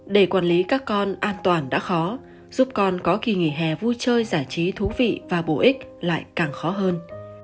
để quản lý các con an toàn đã khó giúp con có kỳ nghỉ hè vui chơi giải trí thú vị và bổ ích lại càng khó hơn